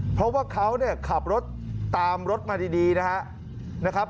เพราะว่าเขาเนี่ยขับรถตามรถมาดีนะครับ